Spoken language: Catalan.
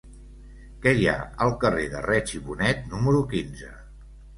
Què hi ha al carrer de Reig i Bonet número quinze?